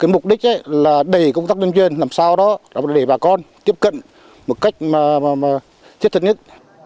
mục đích là đẩy công tác tuyên truyền làm sao đó để bà con tiếp cận một cách thiết thực nhất